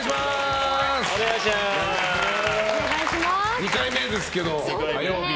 ２回目ですけど、火曜日。